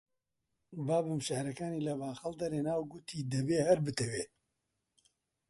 بابم شیعرەکانی لە باخەڵ دەرێنا، گوتی: دەبێ هەر بتەوێ